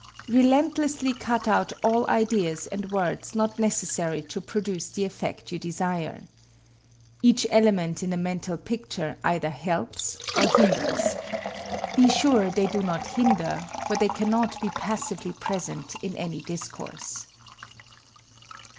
Relentlessly cut out all ideas and words not necessary to produce the effect you desire. Each element in a mental picture either helps or hinders. Be sure they do not hinder, for they cannot be passively present in any discourse.